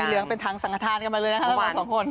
สีเหลืองเป็นทั้งสังฆาตกันมาเลยนะคะทั้ง๒คน